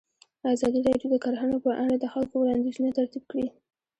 ازادي راډیو د کرهنه په اړه د خلکو وړاندیزونه ترتیب کړي.